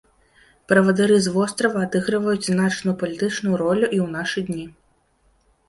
Правадыры з вострава адыгрываюць значную палітычную ролю і ў нашы дні.